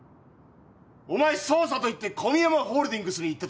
お前捜査といって小宮山ホールディングスに行っただろ。